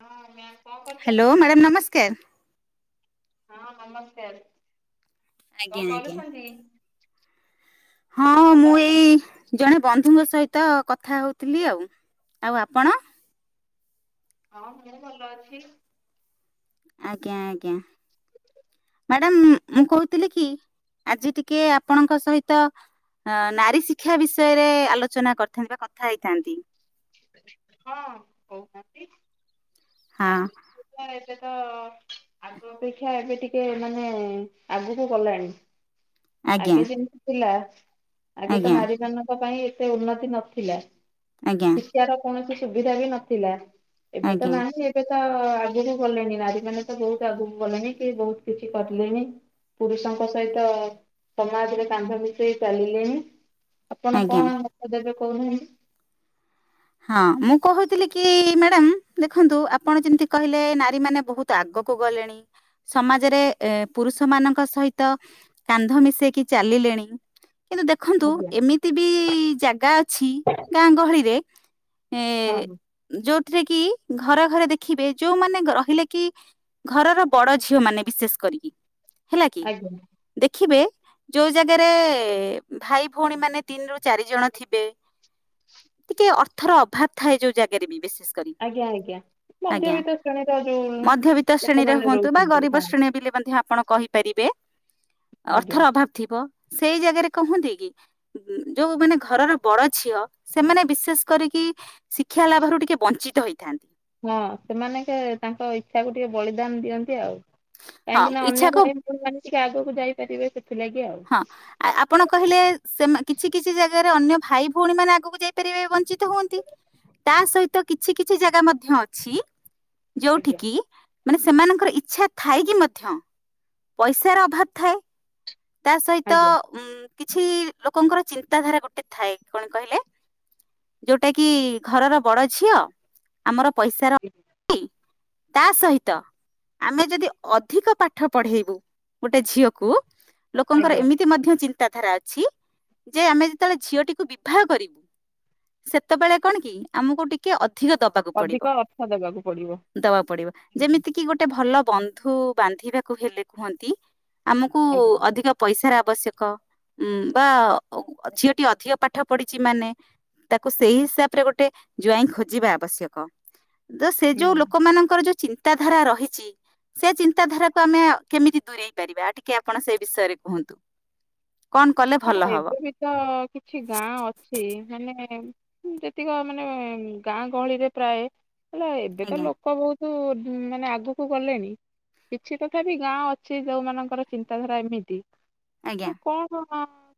ହଁ ମ୍ୟାମ୍ କଣ ହ୍ୟାଲୋ କରୁଛନ୍ତି? ମ୍ୟାଡ଼ାମ ନମସ୍କାର। ହଁ ନମସ୍କାର। ଆଜ୍ଞା କଣ ଆଜ୍ଞା। କରୁଛନ୍ତି? ହଁ ଭଲ ମୁଁ ଏଇ ଅଛନ୍ତି? ଜଣେ ବନ୍ଧୁ ଙ୍କ ସହିତ କଥା ହଉଥିଲି ଆଉ। ଆଉ ଆପଣ? ହଁ ମୁଁ ଭଲ ଅଛି। ଆଜ୍ଞା-ଆଜ୍ଞା। [inaudible] ମ୍ୟାଡ଼ମ୍ ମୁଁ କହୁଥିଲି କି ଆଜି ଟିକେ ଆପଣଙ୍କ ସହିତ ଅ ନାରୀ ଶିକ୍ଷା ବିଷୟରେ ଆଲୋଚନା କରିଥାନ୍ତି ବା କଥା ହେଇଥାନ୍ତି। ହଁ। ହଁ ନାରୀ [unintelligible] ଏବେ ତ ଆଗ ଅପେକ୍ଷା ଏବେ ଟିକେ ମାନେ ଆଗୁକୁ ଗଲାଣି। ଆଜ୍ଞା ଆଗେ ଯେମିତି ଥିଲା ଆଗେ ତ ଆଜ୍ଞା ନାରୀ ମାନଙ୍କ ପାଇଁ ଏତେ ଉନ୍ନତି ନଥିଲା। ଆଜ୍ଞା। [inaudible] କୌଣସି ସୁବିଧା ବି ନଥିଲା ଏବେ ତ ଆଜ୍ଞା ନାହିଁ ଏବେ ତ ଆଗକୁ ଗଲେଣି ନାରୀ ମାନେ ତ ବହୁତ୍ ଆଗକୁ ଗଲେଣି କି ବହୁତ କିଛି କରିଲେଣି। ପୁରୁଷ ଙ୍କ ସହିତ ସମାଜରେ କାନ୍ଧ ମିଶେଇ ଚାଲିଲେଣି ଆପଣ ଆଜ୍ଞା। କଣ ମତ ଦେବେ କହୁନାନ୍ତି? ହଁ ମୁଁ କହୁଥିଲି କି ମ୍ୟାଡ଼ମ୍ ଦେଖନ୍ତୁ ଆପଣ ଯେମିତି କହିଲେ ନାରୀ ମାନେ ବହୁ ତ ଆଗକୁ ଗଲେଣି ସମାଜରେ ଏ ପୁରୁଷ ମାନଙ୍କ ସହିତ କାନ୍ଧ ମିଶେଇକି ଚାଲିଲେଣି। କିନ୍ତୁ ଦେଖନ୍ତୁ ଆଜ୍ଞା। ଏମିତି ବି ଜାଗା ଅଛି ଗାଁ ଗହଳିରେ ଏ ହଁ ଯୋଉଥିରେ କି ଘରେ-ଘରେ ଦେଖିବେ ଯୋଉମାନେ ରହିଲେ କି ଘରର ବଡ ଝିଅ ମାନେ ବିଶେଷ କରିକି ହେଲା କି ଆଜ୍ଞା ଦେଖିବେ ଯୋଉ ଜାଗାରେ ଭାଇ ଭଉଣୀ ମାନେ ତିନି ରରୁ ଚାରି ଜଣ ଥିବେ ଟିକେ ଅର୍ଥର ଅଭାବ ଥାଏ ଯୋଉ ଜାଗାରେ ବି ବେଶି [unintelligible] ଆଜ୍ଞା ଆଜ୍ଞା ଆଜ୍ଞା ମଧ୍ୟବିତ୍ତ ଶ୍ରେଣୀର ଯୋଉ ମଧ୍ୟବିତ୍ତ ଶ୍ରେଣୀରେ ଲୋକମାନେ ହୁଅନ୍ତୁ ବା ରହୁଛନ୍ତି ହଁ ଗରିବ ଶ୍ରେଣୀ ବି ମଧ୍ୟ ଆପଣ କହିପାରିବେ ଆଜ୍ଞା। ଅର୍ଥର ଅଭାବ ଥିବ ସେଇ ଜାଗାରେ କହନ୍ତି କି? ଯୋଉ ମାନେ ଘରର ବଡ ଝିଅ ସେମାନେ ବିଶେଷ କରିକି ଶିକ୍ଷା ଲାଭରୁ ଟିକେ ବଞ୍ଚିତ ହେଇଥାନ୍ତି ହଁ ସେମାନେ କେ ତାଙ୍କ ଇଚ୍ଛା କ ଟିକେ ବଳିଦାନ ଦିଅନ୍ତି ଆଉ ହଁ କାହିଁକି ନା ଅନ୍ୟ ଇଚ୍ଛାକୁ ଭାଇ ଆପଣ ମାନେିକେ ଆଗକୁ ଯାଇପାରିବେ ସେ ଥିଲା କିି ଆଉ ହଁ ଆ ଆପଣ କହିଲେ ସେ କିଛି କିଛି ଜାଗାରେ ଅନ୍ୟ ଭାଇ ଭଉଣୀ ମାନେ ଆଗକୁ ଯାଇପାରିବେ ବଞ୍ଚିତ ହୁଅନ୍ତି ତା ସହିତ କିଛି କିଛି ଜାଗା ମଧ୍ୟ ଅଛି ଯୋଉଠ ଆଜ୍ଞା କି ମାନେ ସେମାନଙ୍କର ଇଚ୍ଛା ଥାଏ କି ମଧ୍ୟ ପଇସାର ଅଭାବ ଥାଏ ତା ସହିତ ଆଜ୍ଞା। ଉ କିଛି ଲୋକଙ୍କର ଚିନ୍ତା ଧାରା ଗୋଟେ ଥାଏ କଣ କହିଲେ ଯୋଉଟା କି ଘରର ବଡ ଝିଅ ଆମର ପଇସା ର ତା ସହିତ ଆମେ ଯଦି ଅଧିକ ପାଠ ପଢେଇବୁ ଗୋଟେ ଝିଅକୁ ଲୋକଙ୍କର ଆଜ୍ଞା ଏମିତି ମଧ୍ୟ ଚିନ୍ତାଧାରା ଅଛି ଯେ ଆମେ ଯେତେବେଳେ ଝିଅଟିକୁ ବିବାହ କରିବୁ ସେତେବେଳେ କଣ କି ଆମକୁୋଉଠିକ ଟେ ଅଧିକ ଦବାକୁ ଅଧିକ ପଡିବ ଅର୍ଥ ଦେବାକୁ ପଡିବ ଦବାକୁ ପଡିବ ଆଜ୍ଞା ଯେମିତି କିି ଗୋଟେ ଗୋଟେ ଭଲ ବନ୍ଧୁ ବାନ୍ଧିବାକୁ ହେଲେ କୁହନ୍ତି ଆମକୁ ଆଜ୍ଞା ଅିକ ପଇସାର ଆବଶ୍ୟକ ଉ ବା ଝିଅଟି ଅଧିକ ପାଠ ପଢିଚ ମାନେ ତାକୁ ସେଇ ହିସାବ ରେ ଗୋଟେ ଜ୍ଆଇଁ ଖୋଜିବା ଆବଶ୍ୟକ ତ ସେ ହୁଁ। ଯୋଉ ଲୋକମାନଙ୍କର ଯୋଉ ଚିତା ଚିନ୍ତାଧାରା ରହିଛି ସେ ଚିନ୍ତାଧାରାକୁ ଆମେ କେମିତି ଦୂରେଇ ପାରିବା ଟିକେ ଆପଣ ସେ ବିଷୟରେ କୁହନ୍ତୁ କଣ କଲେ ହଁ ଭଲ ହବ? ଏବେ ବି ତ କିଛି ଗାଁ ଅଛି ମାନେ ଯେତିକ ମାନେ ଗାଁ ଗହଳିରେ ପ୍ରାୟ ହେଲା ଏବେ ତ ଆଜ୍ଞା ଲୋକ ବହୁତ ତୁ ମାନେ ଆଗକୁ ଗଲେଣି କିଛି ତଥା ବିି ଗାଁ ଅଛି ଯୋଉମାନଙ୍କର ଚିନ୍ତାଧାରା ଏମିତି ଆଜ୍ଞା ନା କଣ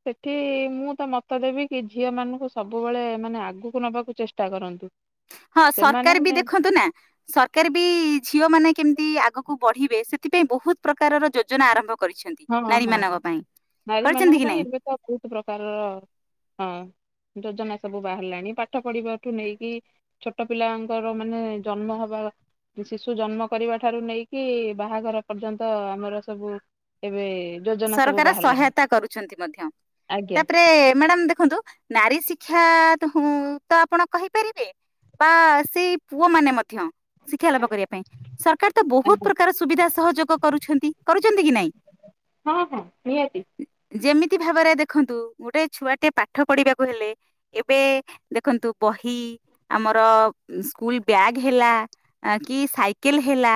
ସେଠି ମୁଁ ତ ମତ ଦେବି କି ଝିଅ ମାନଙ୍କୁ ସବୁବେଳେ ମାନେ ଆଗକୁ ନବାକୁ ଚେଷ୍ଟା କରନ୍ତୁ ହଁ ସେମାନେ ସରକାର ବି ଦେଖନ୍ତୁ ନା ସରକାର ବି ଝିଅ ମାନେ କେମିତି ଆଗକୁ ବଢିବେ ସେଥିପାଇଁ ବହୁତ ପ୍ରକାରର ଯୋଜନା ଆରମ୍ଭ କରିଛନ୍ତି ହଁ ନାରୀ ହଁ ମାନଙ୍କ ପାଇଁ ନାରୀ ମାନଙ୍କ କରିଛନ୍ତି କି ପାଇଁ ନାଇଁ ଏବେ ତ ବହୁତ ପ୍ରକାରର ହଁ ଯୋଜନା ସବୁ ବାହାରିଲାଣି ପାଠ ପଢିବା ଠୁ ନେଇକି ଛୋଟ ପିଲାଙ୍କର ମାନେ ଜନ୍ମ ହବା ଶିଶୁ ଜନ୍ମ କରିବା ଠାରୁ ନେଇକି ବାହାଘର ପର୍ଯ୍ୟନ୍ତ ଆମର ସବୁ ଏବେ ଯୋଜନା ସବୁ ସରକାର ବାହାରିଲାଣି ସହାୟତା କରୁଛନ୍ତି ମଧ୍ୟ ଆଜ୍ଞା ତାପରେ ମ୍ୟାଡାମ ଦେଖନ୍ତୁ ନାରୀ ଶିକ୍ଷା ତ ଆପଣ କହିପାରିବେ ବା ସେଇ ପୁଅ ମାନେ ମଧ୍ୟ ଶିକ୍ଷା ଲାଭ କରିବା ପାଇଁ ସରକାର ତ ବହୁତ ଆଜ୍ଞା ପ୍ରକାର ସୁବିଧା ସହଯୋଗ କରୁଛନ୍ତି କରୁଛନ୍ତି କି ନାଇଁ ହଁ ହଁ ନିଅତି ଯେମିତି ଭାବରେ ଦେଖନ୍ତୁ ଗୋଟେ ଛୁଆ ଟେ ପାଠ ପଢିବାକୁ ହେଲେ ଏବେ ଦେଖନ୍ତୁ ବହି ଆମର ସ୍କୁଲ ବ୍ୟାଗ ହେଲା ଅ କି ସାଇକେଲ ହେଲା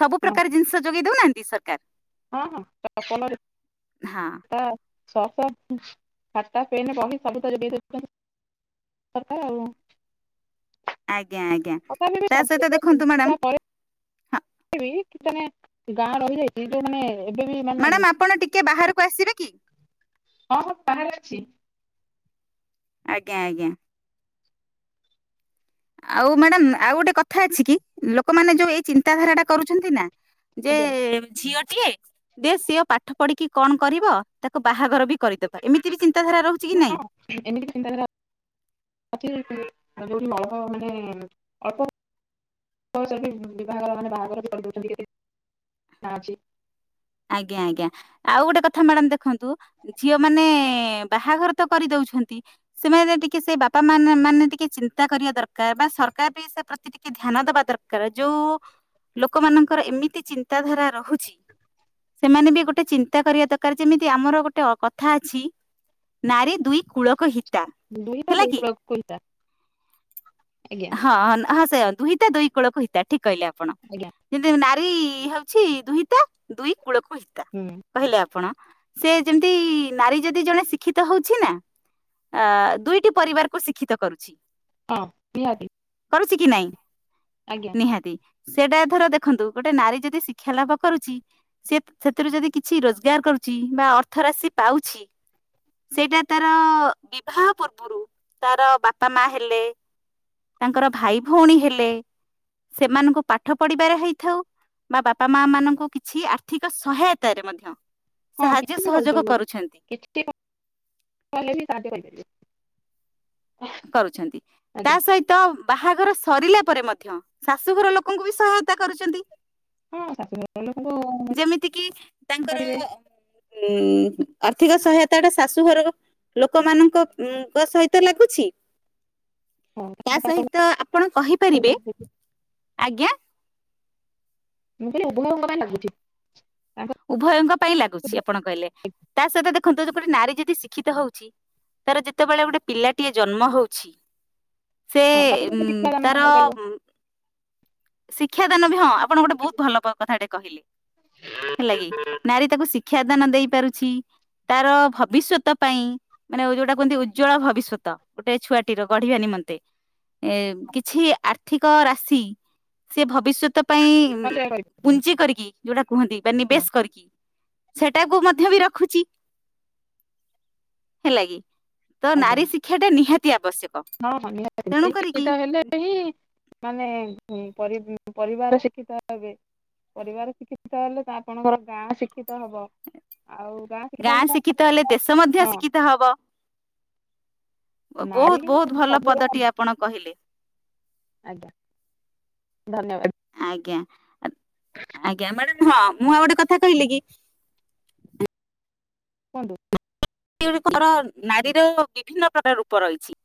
ସବୁ ହଁ ପ୍ରକାର ଜିନିଷ ଯୋଗେଇ ଦଉନାହାନ୍ତି ସବ ହଁ ହଁପଣ ହଁ, ଶହ ଖାତା ଫେନ ବହି ସବୁ ତ ସରକାର ଆଉ। ଆଜ୍ଞା। ଆଜ୍ଞା। ତା ସହିତ ଦେଖନ୍ତୁ ମ୍ୟାଡାମ [unintelligible] ଗାଁ ରହିଯାଇଛି ଯଉ ମାନେ ଏବେ ବି ମାନେ ମ୍ୟାଡ଼ାମ ଆପଣ ଟିକେ ବାହାରକୁ ଆସିବେ କି? ହଁ, ହଁ ବାହାରେ ଅଛି। ଆଜ୍ଞା। ଆଜ୍ଞା। ଆଉ ମ୍ୟାଡାମ ଆଉ ଗୋଟେ କଥା ଅଛି କି ଲୋକମାନେ ଯୋଉ ଏଇ ଚିନ୍ତାଧାରା ଟା କରୁଛନ୍ତି ନା ଯେ ଆଜ୍ଞା ଝିଅଟିଏ ସିଏ ପାଠ ପଢିକି କଣ କରିବ? ତାକୁ ବାହାଘର ବି କରିଦବା ଏମିତି ବି ଚିନ୍ତାଧାରା ରହୁଛି କି ନାଇଁ? ହଁ ଏମିତି ବି ଚିନ୍ତାଧାରା [unintelligible] ମାନେ ଅଳ୍ପ ବୟସରେ ବିି ବିଭାଘର ମାନେ ବାହାଘର କରିଦଉଛନ୍ତି କେତେ ଅଛି ଆଜ୍ଞା। ଆଜ୍ଞା। ଆଉ ଗୋଟେ କଥା ମ୍ୟାଡାମ ଦେଖନ୍ତୁ ଝିଅ ମାନେ ବାହାଘର ତ କରିଦେଉଛନ୍ତି ସେମାନେ ଟିକେ ସେ ବାପା ମାନେ ମାନେ ଟିକେ ଚିନ୍ତା କରିବା ଦରକାର ବା ସରକାର ବି ସେ ପ୍ରତି ଟିକେ ଧ୍ୟାନ ଦବା ଦରକାର ଯୋଉ ଲୋକମାନଙ୍କର ଏମିତି ଚିନ୍ତାଧାରା ରହୁଛି ସେମାନେ ବି ଗୋଟେ ଚିନ୍ତା କରିବା ଦରକାର ଯେମିତି ଆମର ଗୋଟେ କଥା ଅଛି ନାରି ଦୁଇ କୂଳକୁ ହି ଦୁହିତା ଦୁଇ କୁଳକୁ ହିତା। ଆଜ୍ଞା। ହଁ ହଁ ସେଇଆ ଦୁହିତା ଦୁଇ କୁଳକୁ ହିତା ଠିକ କହିଲେ ଆପଣ ଆଜ୍ଞା ଯେମିତି ହଉଛି ଦୁହିତା ଦୁଇ କୂଳକୁ ହିତା। ହୁଁ,। କହିଲେ ଆପଣ ସେ ଯେମିତି ନାରୀ ଯଦି ଜଣେ ଶିକ୍ଷିତ ହଉଛି ନା? ଅ ଦୁଇଟି ପରିବାରକୁ ଶିକ୍ଷିତ କରୁଛି। ହଁ, ନିହାତି। କରୁଛି କି ନାଇଁ? ଆଜ୍ଞା। ନିହାତି ସେଇଟା ଧର ଦେଖନ୍ତୁ ଗୋଟେ ନାରୀ ଯଦି ଶିକ୍ଷା ଲାଭ କରୁଛି ସେ ସେଥିରୁ ଯଦି କିଛି ରୋଜଗାର କରୁଛି ବା ଅର୍ଥ ରାଶି ପାଉଛି ସେଇଟା ତାର ବିବାହ ପୂର୍ବରୁ ତାର ବାପା ମା ହେଲେ ତାଙ୍କର ଭାଇ ଭଉଣୀ ହେଲେ ସେମାନଙ୍କୁ ପାଠ ପଢିବାରେ ହେଇଥାଉ ବା ବାପା ମା ମାନଙ୍କୁ କିଛି ଠିକ ସହାୟତାରେ ମଧ୍ୟ। ହଁ ସାହାଯ୍ୟ ସହଯୋଗ କରୁଛନ୍ତି [unintelligible] କରୁଛନ୍ତି ତା ଆଜ୍ଞା ସହିତ ତ ବାହାଘର ସରିଲା ପରେ ମଧ୍ୟ ଶାଶୁଘର ଲୋକଙ୍କୁ ବି ସହାୟତା କରୁଛନ୍ତି। ହଁ ଶାଶୁଘର ଲୋକଙ୍କୁ ଯେମିତି କିି ତାଙ୍କର ପାରିବେ ଉଁ ଆର୍ଥିକ ସହାୟତାଟା ଶାଶୁଘର ଲୋକମାନଙ୍କ ଙ୍କ ସହିତ ଲାଗୁଛି। ହଁ ତା ତାଙ୍କ ପାଖ ସହିତ ଆପଣ ମୁଁ କହିପାରିବେ, କହିଲି ଆଜ୍ଞା। [unintelligible] ତାଙ୍କ ଉଭୟଙ୍କ ପାଇଁ ଲାଗୁଛି ଆପଣ କହିଲେ ତା ସହିତ ଦେଖନ୍ତୁ ଯେପଟେ ନାରୀ ଯଦି ଶିକ୍ଷିତ ହଉଛି? ତାର ଯେତେବେଳେ ଗୋଟେ ପିଲାଟିଏ ଜନ୍ମ ହଉଛି ସେ ହଁ ତାକୁ ଯଦି ଉଁ ଶିକ୍ଷାଦାନ ତାର କରିପାରିବ ଉଁ ଶିକ୍ଷା ଦାନ ବି ହଁ ଆପଣ ଗୋଟେ ବହୁତ ଭଲ କଥାଟେ କହିଲେ, ହେଲା କି? ନାରୀ ତାକୁ ଶିକ୍ଷାଦାନ ଦେଇ ପାରୁଛି, ତାର ଭବିଷ୍ୟତ ପାଇଁ ମାନେ ଯୋଉଟା କୁହନ୍ତି ଉଜ୍ଜଳ ଭବିଷ୍ୟତ ଗୋଟେ ଛୁଆଟି ର ଗଢିବା ନିମନ୍ତେ। ଏ କିଛି ଆର୍ଥିକ ରାଶି। ସେ ଭବିଷ୍ୟତ ପାଇଁ ସଞ୍ଚୟ କରିବ ପୁଞ୍ଜି କରିକି ଯୋଉଟା କୁହନ୍ତି ବା ହଁ ନିବେଶ କରିକି। ସେଟାକୁ ମଧ୍ୟ ବି ରଖୁଛି ହେଲା କିି? ତ ଆଜ୍ଞା ନାରୀ ଶିକ୍ଷାଟା ନିହାତି ଆବଶ୍ୟକ। ହଁ ହଁ ନିହାତି ତେଣୁ ନାରୀ କରିକି ଶିକ୍ଷିତ ହେଲେ ହିଁ ମାନେ ପରି ପରିବାର ଶିକ୍ଷିତ ହେବେ। ପରିବାର ଶିକ୍ଷିତ ହେଲେ ତ ଆପଣଙ୍କର ଗାଁ ଶିକ୍ଷିତ ହବ ଆଉ ଗାଁ ଗାଁ ଶିକ୍ଷିତ ହେଲେ ଦେଶ ମଧ୍ୟ ହଁ ଶିକ୍ଷିତ ହବ। ବହୁତ ନାରୀ ବହୁତ ଭଲ ସବୁ ର ପଦଟି ଆପଣ କହିଲେ ଆଜ୍ଞା। ଧନ୍ୟବାଦ। ଆଜ୍ଞା ଆଜ୍ଞା ମ୍ୟାଡାମ ହଁ ମୁଁ ଆଉ ଗୋଟେ କଥା କହିଲି କି? କୁହନ୍ତୁ। [unintelligible] ନାରୀର ବିଭିନ୍ନ ପ୍ରକାର ରୂପ ରହିଛି।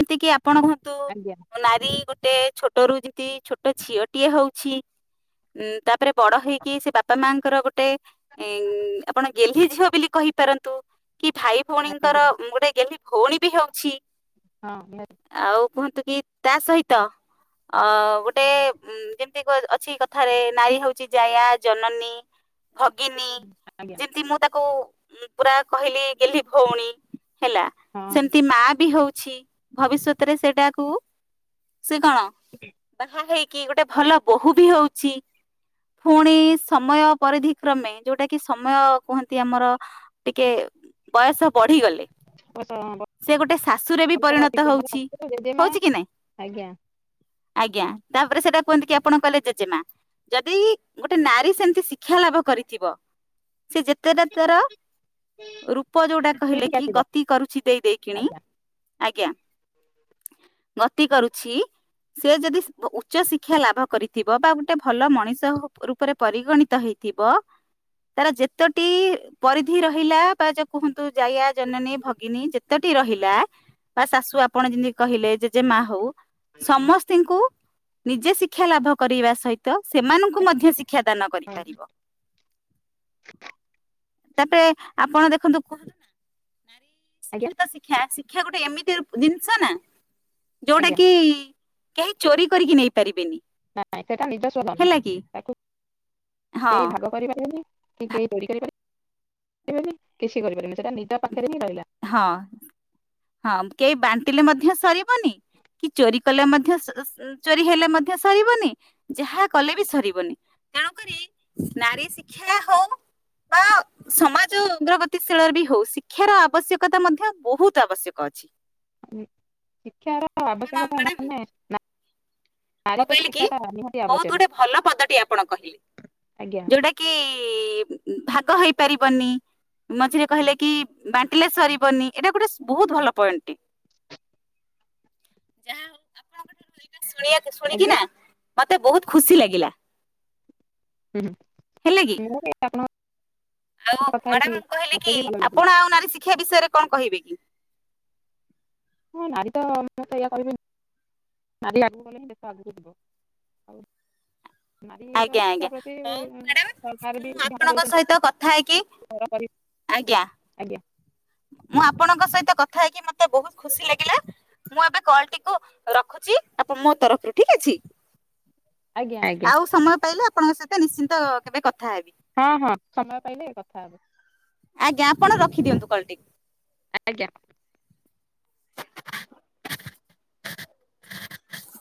ଯେତିକି ଆପଣ ହୁଅନ୍ତୁ। ଆଜ୍ଞା। ନାରୀ ଗୋଟେ ଛୋଟ ରୁ ଯେମତି ଛୋଟ ଝିଅଟିଏ ହଉଛି। ଉ ତାପରେ ବଡ ହେଇକି ସେ ବାପା ମାଙ୍କର ଗୋଟେ ଉ ଆପଣ ଗେହ୍ଲି ଝିଅ ବୋଲି କହିପାରନ୍ତୁ କି ଭାଇ ଭଉଣୀଙ୍କର ଆଜ୍ଞା ଗୋଟେ ଗେହ୍ଲି ଭଉଣୀ ବି ହଉଛି। ହଁ ନିହାତି। ଆଉ କୁହନ୍ତୁ କି ତା ସହିତ ଅ ଗୋଟେ ଯେମିତି ଅଛି କଥାରେ ନାରୀ ହଉଛି ଜାୟା ଜନନୀ ଭଗିନୀ ଆଜ୍ଞା ଜୀତି ମୁଁ ତାକୁ ପୁରା କହିଲି ଗଲି ଭଉଣୀ ହେଲା ହଁ ସେମିତି ମା ବି ହଉଛି ଭବିଷ୍ୟତରେ ସେଟାକୁ ସେ କଣ ବାହା ହେଇ କି ଗୋଟେ ଭଲ ବୋହୂ ବି ହଉଛି। ପୁଣି ସମୟ ପରିଧି କ୍ରମେ ଯୋଉଟା କି ସମୟ କୁହନ୍ତି ଆମର ଟିକେ ବୟସ ବଢିଗଲେ ସେ ଗୋଟେ ଶାଶୁରେ ବି ପରିଣତ ଅତିକ୍ରମରେ ହଉଛି ଅସୁର ଜେଜେମା ହଉଛି କି ନାଇଁ? ଆଜ୍ଞା ଆଜ୍ଞା ତାପରେ ସେଇଟା କୁହନ୍ତି କି ଆପଣ କହିଲେ ଜେଜେମା। ଯଦି ଗୋଟେ ନାରୀ ସେମିତି ଶିକ୍ଷା ଲାଭ କରିଥିବ। ସେ ଯେତେଟା ତାର ରୂପ ଯୋଉଟା କହିଲେ ପିନ୍ଧିକି କି ଆସିବ ଗତି କରୁଛି ଦେଇ ଦେଇକିଣି ଆଜ୍ଞା ଆଜ୍ଞା। ମତି କରୁଛି। ସେ ଯଦି ଉଚ୍ଚ ଶିକ୍ଷା ଲାଭ କରିଥିବ ବା ଗୋଟେ ଭଲ ମଣିଷ ହ ରୁ ପରେ ପରିଗଣିତ ହେଇଥିବ ତାର ଯେତୋଟି ପରିଧି ରହିଲା ବା ଜେଟ କୁହନ୍ତୁ ଜାୟା ଜନନୀ ଭଗିନୀ ଯେତେଟି ରହିଲା। ବା ଶାଶୁ ଆପଣ ଯେମିତି କହିଲେ ଯେଯେ ମା ହଉ ସମସ୍ତ ଙ୍କୁ ନିଜେ ଶିକ୍ଷା ଲାଭ କରିବା ସହିତ ସେମାନଙ୍କୁ ମଧ୍ୟ ଶିକ୍ଷା ଦାନ ହଁ କରିପାରିବ। ତାପରେ ଆପଣ ଦେଖନ୍ତୁ [unintelligible] ନା ନାରୀ ଆଜ୍ଞା ଶିକ୍ଷ ଶିକ୍ଷା ଶିକ୍ଷା ଗୋଟେ ଏମିତି ଜିନିଷ ନା ଯୋଉଟା ଆଜ୍ଞା କି କେହି ଚୋରି କରିକି ନେଇ ପାରିବେନି। ନାଇଁ ସେଟା ନିଜ [unintelligible] ହେଲା କି ତାକୁ ହଁ କେହି ଭାଗ କରିପାରିବେନି। କି କେହି ଚୋରି କରିପାରିବେ କିଛି କରିପାରିବନି ସେଟା ନିଜ ପାଖରେ ହିଁ ରହିଲା। ହଁ ହଁ କେହି ବାଣ୍ଟିଲ ମଧ୍ୟ ସରିବନି। କି ଚୋରି କଲେ ମଧ୍ୟ ସ ସ ଚୋରି ହେଲେ ମଧ୍ୟ ସରିବନି ଯାହା କଲେ ବି ସରିବନି। ତେଣୁ କରି ନାରୀ ଶିକ୍ଷା ହଉ। ବା ସମାଜ ଉଗ୍ରଗତିଶୀଳରେ ବି ହଉସି ଶିକ୍ଷାର ଆବଶ୍ୟକତା ମଧ୍ୟ ବହୁତ ଆବଶ୍ୟକ ଅଛି। ଆପଣ ମ୍ୟାଡାମ [inaudible] ମୁଁ ନାରୀ ପ୍ରତି କହିଲି କି ଶିକ୍ଷାଟା ନିହାତି ବହୁତ ଆବଶ୍ୟକ ଗୋଟେ ଭଲ ପଦଟି ଆପଣ ଆଜ୍ଞା କହିଲେ ଯୋଉଟା କେ ଭାଗ ହେଇପାରିବନି। ମଝିରେ କହିଲେ କି ବାଣ୍ଟିଲେ ସରିବନି ଏଇଟା ଗୋଟେ ବହୁତ ଭଲ ପଏଣ୍ଟଟି। ଯାହା ହଉ। ଆପଣଙ୍କ ଠାରୁ ଏଇଟା ଶୁଣିବାକୁ ଶୁଣିକି ଆଜ୍ଞା ନା ମତେ ବହୁତ ଖୁସି ଲାଗିଲା। ହୁଁ ହୁଁ। ହେଲା କି। [inaudible] ଆଉ ସହିତ କଥା ହେଇକି ମ୍ୟାଡ଼ାମ ମୁ କହିଲି ମତେ ବି କି ଭଲ ଲାଗିଲା। ଆପଣ ଆଉ ନାରୀ ଶିକ୍ଷା ବିଷୟରେ କଣ କହିବେ କି? ହଁ ନାରୀ ତ ମୁଁ ତ ଏଇଆ କହିବି ନାରୀ ଆଗକୁ ଗଲେ ହିଁ ଦେଶ ଆଗକୁ ଯିବ ଆଉ ନାରୀର ଆଜ୍ଞା ଶିକ୍ଷା ଆଜ୍ଞା, ପ୍ରତି ହଉ ମ୍ୟାଡ଼ାମ ସରକାର ବି ମୁଁ ଧ୍ୟାନ ଆପଣଙ୍କ ସହିତ କଥା ହେଇକି [inaudible] ଆଜ୍ଞା। ଆଜ୍ଞା। ମୁଁ ଆପଣଙ୍କ ସହିତ କଥା ହେଇକି ମତେ ବହୁତ ଖୁସି ଲାଗିଲା। ମୁଁ ଏବେ କଲ ଟିକୁ ରଖୁଛି ଆପ ମୋ ତରଫରୁ ଠିକ ଅଛି। ଆଜ୍ଞା ଆଜ୍ଞା ଆଉ ସମୟ ପାଇଲେ ଆପଣଙ୍କ ସହିତ ନିଶ୍ଚିନ୍ତ କେବେ କଥା ହେବି। ହଁ ହଁ ସମୟ ପାଇଲେ କଥା ହେବେ। ଆଜ୍ଞା ଆପଣ ରଖିଦିଅନ୍ତୁ କଲ୍ ଟି। ଆଜ୍ଞା।